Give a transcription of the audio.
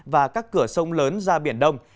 và các cửa sông lớn ra biển đông